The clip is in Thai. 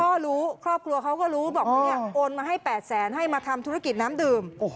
ก็รู้ครอบครัวเขาก็รู้บอกเนี่ยโอนมาให้๘แสนให้มาทำธุรกิจน้ำดื่ม